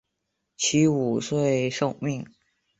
屈武遂受命。